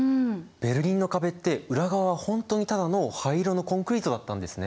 ベルリンの壁って裏側は本当にただの灰色のコンクリートだったんですね。